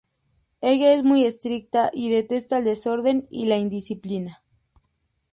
Ella es muy estricta y detesta el desorden y la indisciplina.